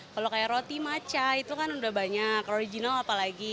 kalau kayak roti matcha itu kan udah banyak original apa lagi